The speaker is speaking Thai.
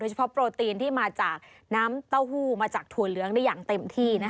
เฉพาะโปรตีนที่มาจากน้ำเต้าหู้มาจากถั่วเหลืองได้อย่างเต็มที่